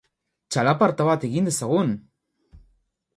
Txalaparta bat egin dezagun!